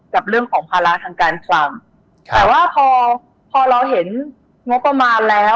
กับเรื่องของภาระทางการคลังแต่ว่าพอพอเราเห็นงบประมาณแล้ว